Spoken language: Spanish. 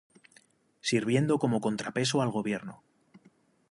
Sirviendo como contrapeso al gobierno.